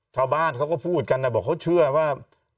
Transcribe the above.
ชาวบ้านเขาก็พูดกันนะบอกเขาเชื่อว่า